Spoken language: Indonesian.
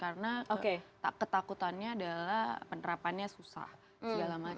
karena ketakutannya adalah penerapannya susah segala macam